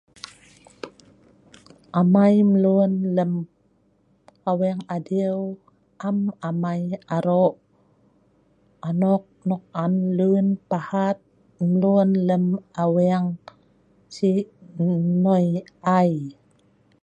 Amei emlun lem aweng adieu am amei arok anok nok on lun pahat lun lem aweng sik lun enoi ai